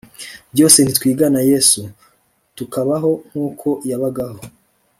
byose nitwigana yesu tukabaho nk uko yabagaho